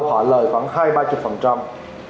họ lời khoảng hai ba mươi